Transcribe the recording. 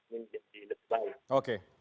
bisa dilakukan oleh